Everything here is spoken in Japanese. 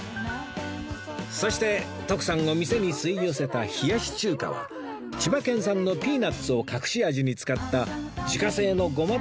そして徳さんを店に吸い寄せた冷やし中華は千葉県産のピーナツを隠し味に使った自家製のゴマ